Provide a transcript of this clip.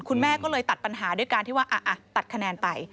คุณแม่ก็เลยตัดปัญหาด้วยการที่ว่าตัดคะแนนไป